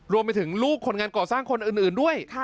รวมไปถึงลูกคนงานก่อสร้างคนอื่นด้วย